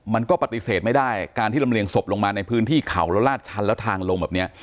มันก็ปฏิเสธไม่ได้การที่ลำเลียงศพลงมาในพื้นที่เขาแล้วลาดชันแล้วทางลงแบบนี้